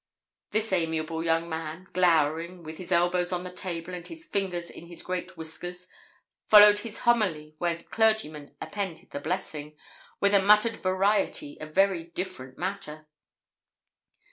This amiable young man, glowering, with his elbows on the table and his fingers in his great whiskers, followed his homily, where clergymen append the blessing, with a muttered variety of very different matter.